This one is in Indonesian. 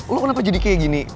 lo kenapa jadi kayak gini